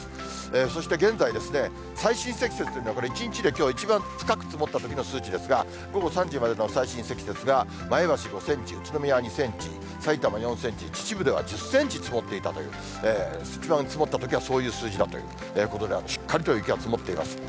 そして現在、最深積雪というのは、これ、きょう一番深く積もったときの数値ですが、午後３時までの最深積雪が、前橋５センチ、宇都宮２センチ、さいたま４センチ、秩父では１０センチ積もっていたという、一番積もったときはそういう数字だということで、しっかりと雪が積もっています。